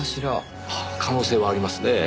可能性はありますねぇ。